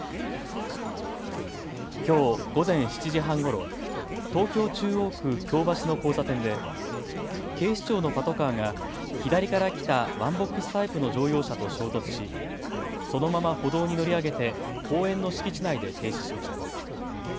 きょう午前７時半ごろ、東京中央区京橋の交差点で警視庁のパトカーが左から来たワンボックスタイプの乗用車と衝突しそのまま歩道に乗り上げて公園の敷地内で停止しました。